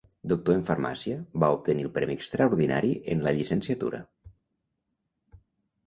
Doctor en Farmàcia, va obtenir el premi extraordinari en la llicenciatura.